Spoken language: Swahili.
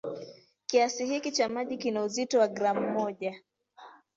Kiasi hiki cha maji kina uzito wa gramu moja.